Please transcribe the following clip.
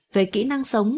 về kỹ năng sống